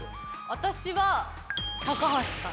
私は高橋さん。